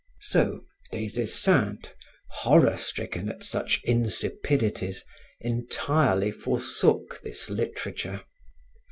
So Des Esseintes, horror stricken at such insipidities, entirely forsook this literature.